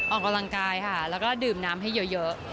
ออกกำลังกายค่ะแล้วก็ดื่มน้ำให้เยอะ